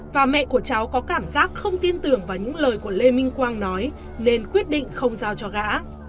và mẹ của cháu có cảm giác không tin tưởng vào những lời của lê minh quang nói nên quyết định không giao cho gã